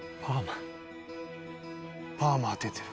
「パーマ当ててる」